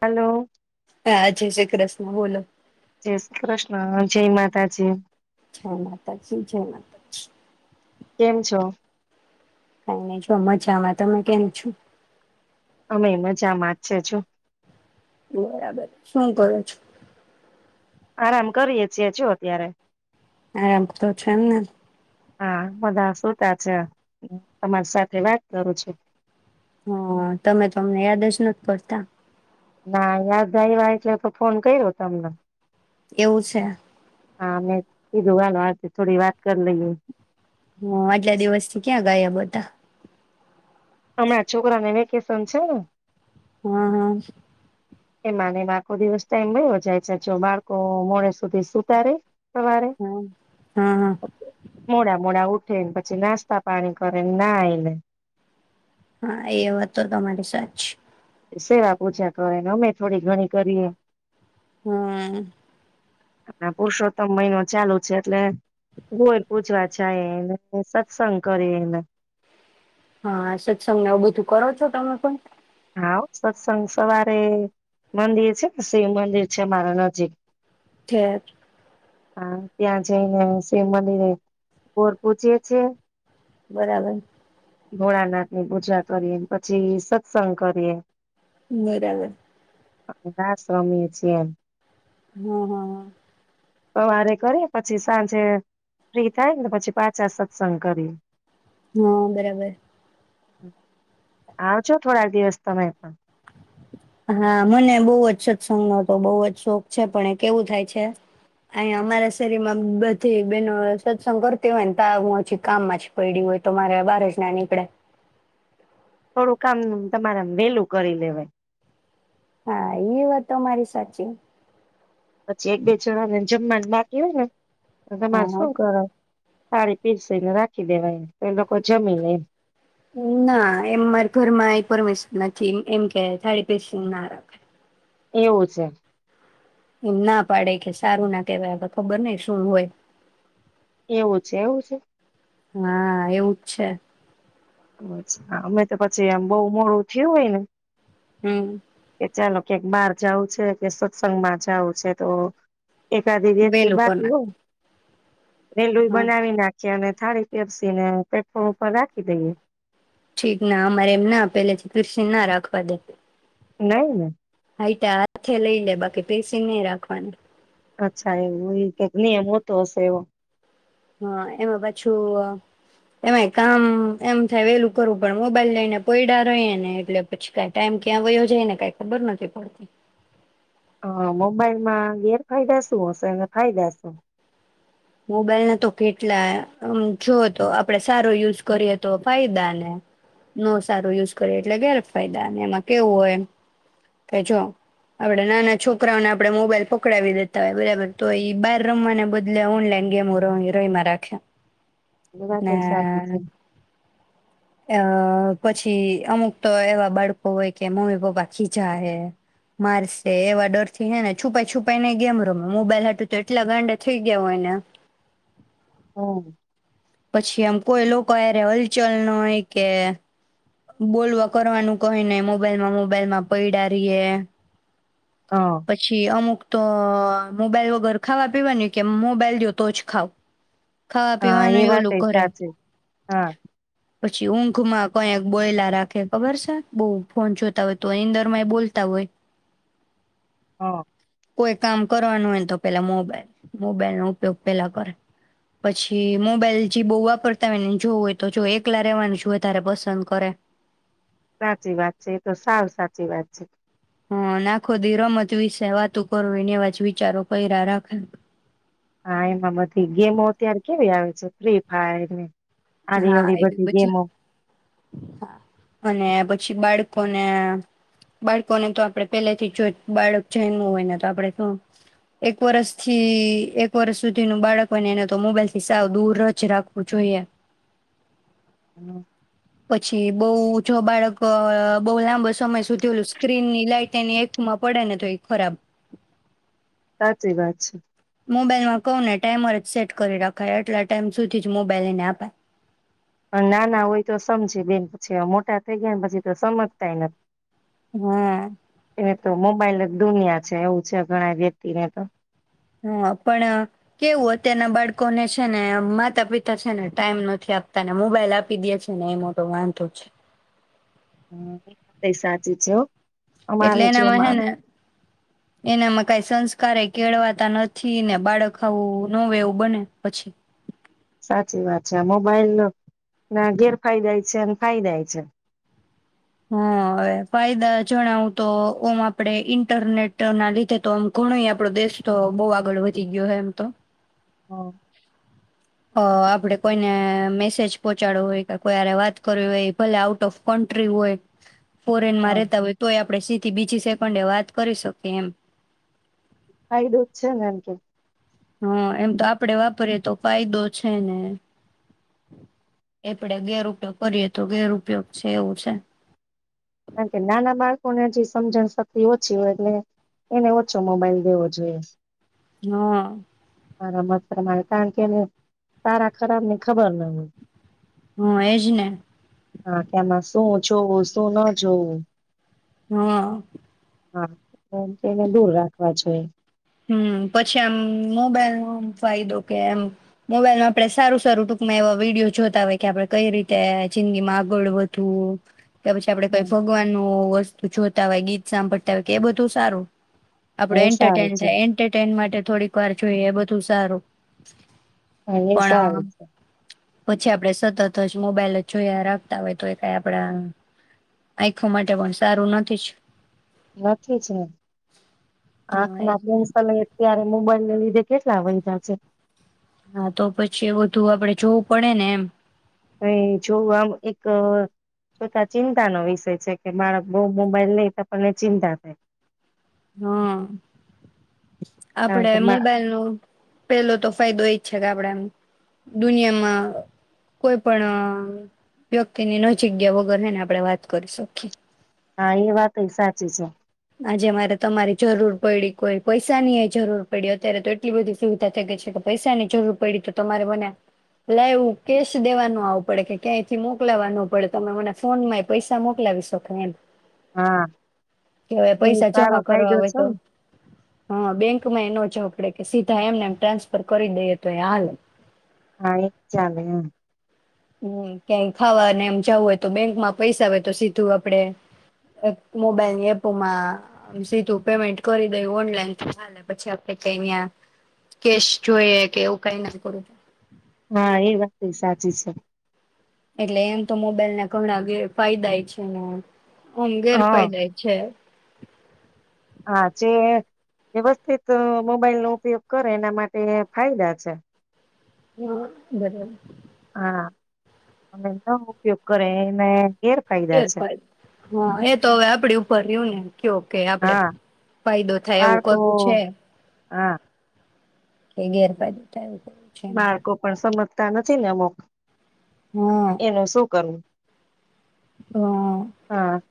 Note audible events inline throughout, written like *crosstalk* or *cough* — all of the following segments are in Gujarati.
હાલો. હા જય શ્રી કૃષ્ણ બોલો. જય શ્રી કૃષ્ણ, જય માતાજી. જય માતાજી જય માતાજી. કેમ છો? કાંઈ નહીંજો મજામાં, તમે કેમ છો? અમેય મજામાં જ છે જો. બરાબર. શું કરો છો? આરામ કરીએે છીએ જો અત્યારે. આમ તો છે એમને. હા બધા સુુંતા છે. હું તમારી સાથે વાત કરું છું. હા, તમે તો અમને યાદ જ નથી પડતા. ના યાદ આયવા એટલે તો ફોન કર્યો તમને. એવું છે. હા મેં કીધું ગાનું આથી થોડી વાત કરી લઈએ. હા, આટલા દિવસ થી ક્યાં ગાયબ હતા? હમણાં છોકરાને વેકેશન છે ને હા હા. એમાંને આખો દિવસ ટાઈમ ગયો જાય છે જો બાળકો મોડ સુધી સુતારે. સવારે હા હા હા મોડા મોડા ઉ ને પછી નાસ્તા પાણી કરેને ના આવીને. હા એ વાતો તમારી સાચ સેવા પૂજા કરે અમે થોડી ઘણી કરીએ. હ. પુરુષોત્તમ મહિનો ચાલુ છે એટલે કોય પૂજવા જાય એને સત્સંગ કરી એને. હા સત્સંગને એવુ બધું કરો છો તમે કોઈ? હા સત્સંગ સવારે મંદિર છે ને શિવ મંદિર છે મારા નજીક. છે. હા ત્યાં જઈને શિવ મંદિરે કોર પૂછય છે. બરાબર. ભોળાનાથની પૂજા કરીએ પછી સત્સંગ કરીએ. બરાબર. રાષ રમીએ છીએ. હા હા હ. સવારે કરી પછી સાંજે ફ્રી થાય ને પછી પાછા સત્સંગ કરી. હા બરાબર. આવ છો થોડાક દિવસ તમે પણ. હા મને બહુ જ સત્સંગ નો તો બહુ જ શોખ છે પણ એ કેવું થાય છે, અહી અમારા શરીરમાં બધી બેનો સત્સંગ કરતી હોય ને તો હું હછી કામમાં જ પડી હોય તો મારે બહાર જ ના નીકળે. થોડું કામ તમારે વેલું કરી લેવાય. હા એ વાતો મારી સાચી. પછી એક બે જણા ને જમવાને બાકી હોય ને. એ મા હા શું કરો? થાળી પીરસીને રાખી દેવાય તો એ લોકો જમી લે એમ. ના એમ મારે ઘરમાં એ પરમિશન નથી. એમ કે થાળી પીરસી ને ના રાખવી. એવું છે. એમ ના પાડે કે સારું ના કેવાય, હવે ખબર નહી શું હોય. એવું છે-એવું છે. હા એવુંજ છે. અચ્છા અમે તો પછી એમ બહુ મોડું થયું હોય ને હમ્મ. કે ચાલો કયાંક બાર જાવું છે કે સત્સંગ માં જાવું છે તો એકાધી વ્યક્તિ વેલું કર બાકી નાખ હોય રેલુંય હા બનાવી નાખી અને થાળી પેરસી ને પ્લટફોર્મ ઉપર રાખી દઈએ. ઠીક. ના અમારે એમ ના પેલેથી પીરસીન ના રાખવા દે. નહીં ને. *unintelligible* હાથે લઈ લે બાકી પીરસીન નહીં રાખવાની. અચ્છા એવું, ઈ કેક નિયમ હોતો હશે એવો. હા. એમાં પાછું એમાંય કામ એમ થાય વેલું કરવું પડે, મોબાઈલ લઈને પયડા રહે ને એટલે પછી કાઈ ટાઈમ ક્યાં વયો જાયને કાઈ ખબર નથી પડતી. હા મોબાઈલમાં ગેરફાયદા શું હશે? અને ફાયદા શું? મોબાઈલ ના તો કેટલા, આમ જોઓ તો આપડે સારો યુઝ કરીએ તો ફાયદા ને, નો સારો યુઝ કરીએ એટલે ગેર ફાયદા. ને એમાં કેવું હોય કે જો આપણેે નાના છોકરાઓને આપડે મોબાઈલ પકડાવી દેતા હોય બરાબર, તો ઈ બહાર રમવાના બદલે ઓનલાઈન ગેમું ર રયમા રાખે. એ વાત ને એય સાચી છે. અહ પછી અમુક તો એવા બાળકો હોય કે મમ્મી પપ્પા ખીજા હે, મારસે, એવા ડર થી હે ને છુપાઈ-છુપાઈ ને ગેમ રમે, મોબાઈલ હાટું તો એટલા ગાંડા થઈ ગયા હોય ને હમ્મ. પછી આમ કોઈ લોકો હાયરે હલચલ ન કે બોલવા કરવાનું કહે નને મોબાઈલ માં મોબાઈલમાં પડિયા રિયે હ પછી અમુક તો મોબાઈલ વગર ખાવા પીવાની કે મોબાઈલ દો તો જ ખાાવ હા એ વાતએ સાચી હા પછી ઊંઘ માં કઈ બોયલા રાખે ખબર છે બહ ફોન જોતા હોય તો નીદરમાંય બોલતા હોય હા કોઈ કામ કરવાનું હોય ને તો પેલા મોબાઈલ મોબાઈલ નો ઉપયોગ પેલા કરે પછી મોબાઈલ જે બહુ વાપરતા હોય ને જોવું હોય તો જો એકલા રહેેવાનું જુએ તારે પસંદ કર સાચી વાત છે એ તો સાવ સાચી વાત છે હમ ને આખોધી રમત વિશે વાતું કરવીું એને એવા જ વિચારો કરયા રાખે હા એમાં બધી ગેમો અત્યારે કેવી આવે છે ફ્રી ફાયર ને આડી હા અવળી એવી બધી ગેમો અને પછી બાળકોને બાળકોને તો આપડ પેલેથી જો બાળક જન્મ્યું હોયને તો આપડે એક વર્ષ થી એક વર્ષ સુધીનું બાળક હોયને એને તો મોબાઈલ થી સાવ દૂર જ રાખવું જોઈએ હમ પછી બઉ જો બાળક બોહ લાંબો સમય સુધી ઓલું સ્ક્રીનની લાઈટ એની આયખમાં પડે ને તો એ ખરાબ સાચી વાત છે મોબાઈલમાં કહું ને ટાઈમર જ સેટ કરી રાખાય આટલા ટાઈમ સુધી જ મોબાઈલ એને આપાય નાના હોય તો સમજે બેન પછી મોટા થઈ ગયા ને પછી તો સમજતાય નથી હા એને તો મોબાઈલ દુનિયા છે એવું છે ઘણા વ્યક્તિ ને તો હા પણ કેવું અત્યારના બાળકોને છે ને માતા પિતા છે ને ટાઈમ નથી આપતા ને મોબાઈલ આપી દે છે ને એ મોટો વાંધો છે હા, એ સાચું છે, હા. એટલે એનામાં હેને, એનામાં કઈ સંસ્ કારે કેળવાતા નથી ને બાળક આવું ન એવું બને, પછી સાચી વાત છે. આ મોબાઈલ ના ગેરફાયદાય છે અને ફાયદાાય છે. હા, હવે ફાયદા જણાવું તો ઓમ આપડે ઈન્ટરનેટ ના લીધે તો આમ ઘણો આપડો દેશ તો બહુ આગળ વધી ગયો હે, એમ તો હમ્મ. અહ આપડે કોઈને મેસેજ પહોંચાવો હોય, કે કોઈ હરે વાત કરવી હોય, ભલે આઉટ ઓફ કન્ટ્રી હોય *inaudible* હ ફોરેનમાં રહેતા હોય, તોય આપડે સીધથી બીજ પછી *unintelligible* વાત કરી શકે એમ. કાયઢું જ છે ને એટલે હા એમ તો આપડે વાપરીએ તો ફાયદો છે ને એમ. એપડે ગેર ઉપયોગ કરીએ તો ગેર ઉપયોગ છે એવું છે. કારણ કે નાના બાળકોને હજી સમજણ શક્તિ ઓછી હોય એટલે એને ઓછો મોબાઈલ દેવો જોઈએ. હા. મારા મતે *unintelligible* કારણ કે એને સારા ખરાબ ની ખબર ન હોય. હા એજ ને. હા કેમાં શું છું શું ન જૉ. હા. હા, એમ કે એને દૂર રાખવા જોએ. હમ પછી આમ મોબાઈલ નો ફાયદો કે એમ, મોબાઈલમાં આપણે સારું સારું ટૂંકમાં એવા વિડીયો જોતા હોય કે આપડે કઈ રીતે જિંદગી માં આગળ વધવું. કે પછી આપડે કઈ હા ભગવાનનું વસ્તુ જોતા હોય ગીત સાંભળતા હોય કે એ બધું સારું. એ સારું. છે એન્ટટે માટે થોડીક વાર જોઈએ એ બધું સારું. હા એ સારું પણ છે. પછી આપણે સતત જ મોબાઈલ જોયા રાખતા હોય તો એ કઈ આપણા, આંયખો માટે પણ સારું નથી જ. રાખે છે. હા એજ આંખના ને પન્સ લ અત્યારે મોબાઈલ લીધે કેટલા વયધા છે. હા તો પછી એ બધું આપડે જોવું પડે ને એમ. અ જોવું આમ એક, જોતા ચિંતાનો વિષય છે કે બાળક બોવ મોબાઈલ લઈ તો આપણને ચિંતા થાય. હમ, કારણ આપડે કે મોબાઈલ નો પેલો તો ફાયદો એજ છે કે આપડે એમ. દુનિયામાં કોઈ પણ વ્યક્તિની નજીક ગીયા વગર હેને આપણે વાત કરી શકીએ. હા એ વાત એ સાચી છે. આજે મારે તમારી જરૂર પડી કોઈ પૈસાની એ જરૂર, પડી અત્યારે તો એટલી બધી સુવિધા થઈ ગઈ છે કે પૈસા ની જરૂર પડી તો તમારે મને લાઈવ કેશ દેવાનું આવું પડે કે ક્યાંયથી મોકલાવાનું પડે તમે મને ફોનમાં એ પૈસા મોકલાવી શકો એમ. હા. કેવાય એ પૈસા સારો જમા કરવા ફાયદો હોય છે તો, ને હા બેંકમાં એનો જો આપ કે સીધા એમનેમ ટ્રાન્સફર કરી દઈએ તો એ હાલે. હા એક ચાલે હ. હમ્મ, કઈ ખાવાને એમ જવું હોય તો બેંકમાં પૈસા હોય તો સીધું આપડે મોબાઈલની એપોમાં સીધું પેમેન્ટ કરી દે, ઓનલાઈન પછી આપ ક અયા કેશ જોઈએ કે એવું કઈ ના કરું હા એ વાત સાચી છે. એટલે એમ તો મોબાઈલ ના ઘણા ફાયદાય છે ને. આમ હા ગેરફાયદા છે હા જે વ્યવસ્થિત મોબાઈલનો ઉપયોગ કરે એના માટે ફાયદા છે. હા બરાબર. હા અને ન ઉપયોગ કરે એને એ ગેરફાયદા છે હ એ તો હવે આપડી ઉપર રહ્યું ને કયો કે આપડે હા ફાયદો થાય એવું બાળકો કરું છે એમ હા. કે ગેરફાયદે થાય. કરવું છે હા માર્કો પણ સમજ ત્યા નથી ને અમુક. એનું શું કરવું હા. હા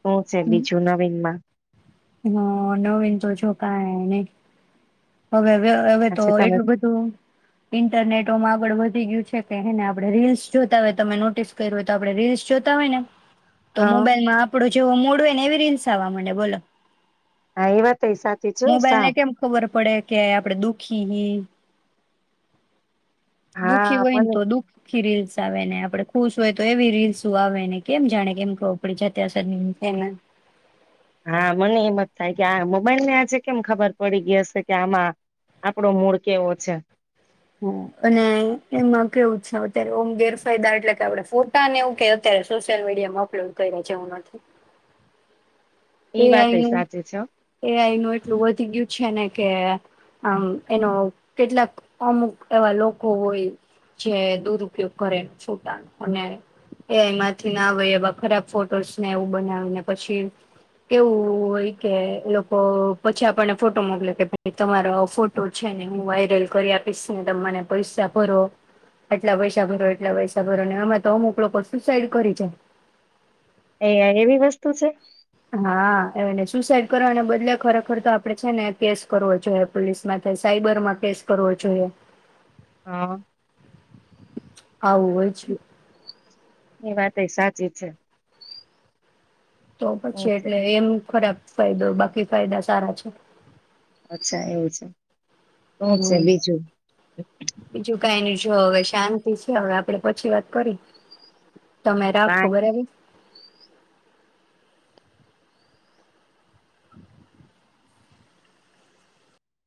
શું છે બીજું નવીન માં હ નવીન તો છોકને હવે હવે તો આજે તમે હ એટલું બધું ઇન્ટરનેટમાં આગળ વ ગયું છે કે હને આપડણે રીલ્સ જોતા હોય તમે નોટિસ કર્યું હોય તો આપડણે રીલ્સ જોતા હોય ને તો હા મોબાઈલ માં આપડુ જેવો મૂડ હોય ને એવી રોલ્સ આવ માડે બોલો. હા એવા મોબાઈલ ને કેમ ખબર પ પડે કે આપણેે દુઃખી હિ દુઃખી હા હોયને મને તો દુખ આખી રીલ્સ આવે ને, આપડે ખુશ હોય તો એવી રીલ્સ આવે ને. કેમ જાણે કેમ ખબર પડી જતા હશે ને. હા, મને એમ જ થાય કે આ મોબાઈલ ને આજે કેમ ખબર પડી ગઈ હશે કે આમાં આપડો મૂળ કેવો છે. હ અ અને એમાં કેવું છે અત્યારે ઓમ ગેરફાયદા એટલે કે આપ ફોટાને એવું કે અત્યારે સોશિયલ મીડિયામાં અપલોડ ક્યરા છે એવું નથી. ઈ વાત એઆઈ નું સાચી છે હો. એઆઈ નું એટલું વધી ગયું છે ને કે આમ એનો કેટલાક અમુક એવા લોકો હોય જે દુરુપયોગ કરે ફોટાનો અને એમાંથી ના આવે એવા ખરાબ ફોટોસ ને એવું બનાવીને પછી કેવું હોય કે, લોકો પછી આપણને ફોટો મોકલો કે ભાઈ તમારો ફોટો છે ને હું વાયરલ કરી આપીશ ને ત મને પૈસા ભરો, આટલા પૈસા ભરો એટલા પૈસા ભરો ને એમાં તો અમુક લોકો સુસાઈડ કરી જાય. એ યાર એવી વસ્તુ છે. હા એને સુસાઈડ કરવાના બદલે ખરેખર તો આપડે છે ને કેસ કરવો જોઈએ, પોલીસમાં કે સાયબર માં કેસ કરવો જોઈએ. હા આવું હોય છે. એ વાત એ સાચી છે. તો એવું પછી છે એટલે એમ ખરાબ ફાયદો બાકી ફાયદા સારા છે. અચછા એવું છે. શું છે બીજું કાઈની જો હવે શાંતિ છે, હવે આપડે પછી વાત કરયે. તમે રાખો બાય બરાબર. *inaudible*